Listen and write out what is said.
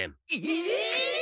え！